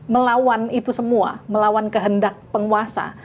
melawan itu semua melawan kehendak penguasa